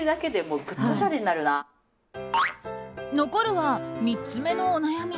残るは３つ目のお悩み。